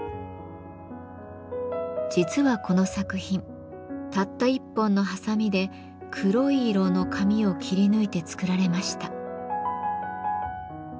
実はこの作品たった１本のはさみで黒い色の紙を切り抜いて作られました。